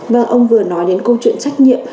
vâng ông vừa nói đến câu chuyện trách nhiệm